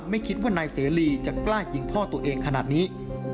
ไม่คิดว่านายเสรีจะกล้ายิงพ่อตัวเองขนาดนี้